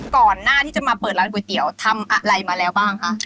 ก่อนหน้าที่จะมาเปิดร้านก๋วยเตี๋ยวทำอะไรมาแล้วบ้างคะ